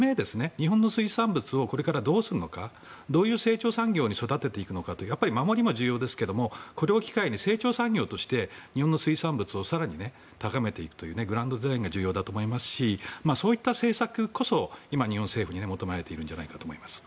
日本の水産物をこれからどうするか、どういう成長産業にするか守りも重要ですがこれを機会に成長産業として日本の水産物を更に高めていくというグランドデザインが重要だと思いますしそういった政策こそ日本政府に求められているのではないかと思います。